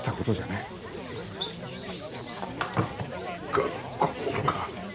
頑固もんが。